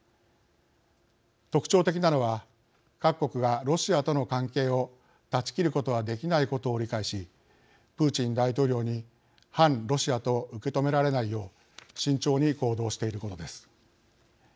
特徴的なのは各国がロシアとの関係を断ち切ることはできないことを理解しプーチン大統領に反ロシアと受け止められないよう慎重に行動していることです。